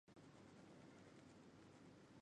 史恭之妹生汉宣帝。